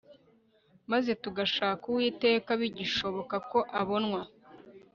maze tugashaka uwiteka bigishoboka ko abonwa